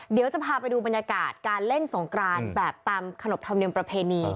เดี๋ยวจะพาไปดูบรรยากาศการเล่นสงกรานแบบตามขนบธรรมเนียมประเพณี